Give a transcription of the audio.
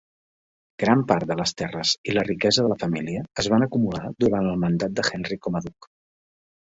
Gran part de les terres i la riquesa de la família es van acumular durant el mandat de Henry com a duc.